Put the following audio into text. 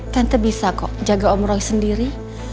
tante bisa kok jaga om rai sendiri